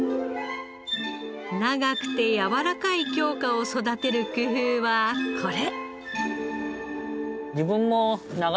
長くてやわらかい京香を育てる工夫はこれ。